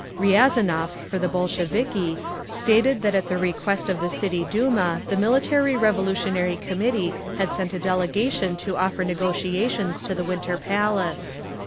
Riazanov, for the Bolsheviki, stated that at the request of the City Duma the Military Revolutionary Committee had sent a delegation to offer negotiations to the Winter Palace.